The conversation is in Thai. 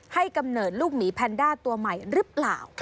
กำเนิดลูกหมีแพนด้าตัวใหม่หรือเปล่า